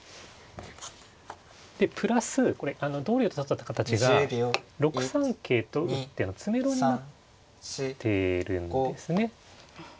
でプラスこれ同竜と取った形が６三桂と打っての詰めろになってるんですね。